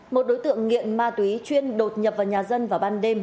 một đối tượng nghiện ma túy chuyên đột nhập vào nhà dân vào ban đêm